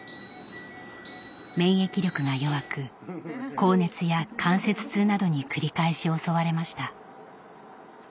免疫力が弱く高熱や関節痛などに繰り返し襲われました